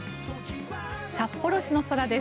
札幌市の空です。